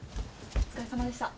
お疲れさまでした。